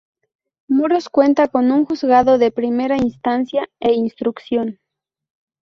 Muros cuenta con un Juzgado de Primera Instancia e Instrucción.